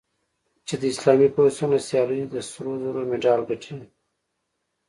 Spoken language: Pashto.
چې د اسلامي پیوستون له سیالیو د سرو زرو مډال ګټي